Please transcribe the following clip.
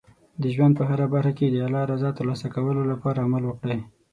د ژوند په هره برخه کې د الله رضا ترلاسه کولو لپاره عمل وکړئ.